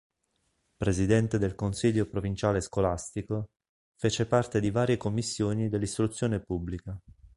Presidente del Consiglio Provinciale Scolastico, fece parte di varie commissioni dell'Istruzione Pubblica.